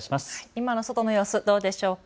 今の外の様子、どうでしょうか。